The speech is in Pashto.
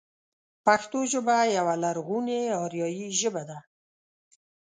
پښتو ژبه يوه لرغونې اريايي ژبه ده.